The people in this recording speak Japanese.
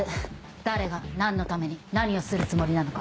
誰が何のために何をするつもりなのか。